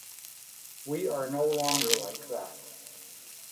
We are no longer like that.